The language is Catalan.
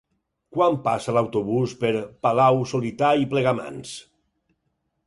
Quan passa l'autobús per Palau-solità i Plegamans?